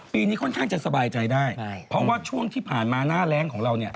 ปีนี้ค่อนข้างจะสบายใจได้เพราะว่าช่วงที่ผ่านมาหน้าแรงของเราเนี่ย